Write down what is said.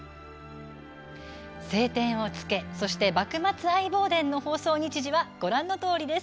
「青天を衝け」そして「幕末相棒伝」の放送日時はご覧のとおりです。